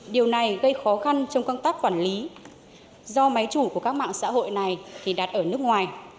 điều này gây khó khăn trong công tác quản lý do máy chủ của các mạng xã hội này thì đặt ở nước ngoài